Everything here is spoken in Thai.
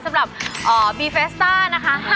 สำหรับบีเฟสต้านะคะ